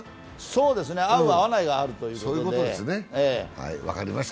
そうですね、合う・合わないがあるということで。